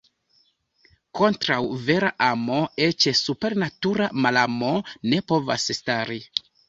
Kontraŭ vera amo eĉ supernatura malamo ne povas stari.